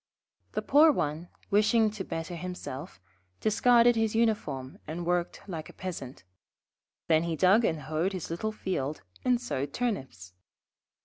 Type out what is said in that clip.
The poor one, wishing to better himself, discarded his uniform and worked like a Peasant. Then he dug and hoed his little field and sowed Turnips.